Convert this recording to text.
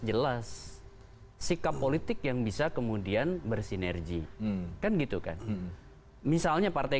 jelas sikap politik yang bisa kemudian bersinergi kan gitu kan misalnya partai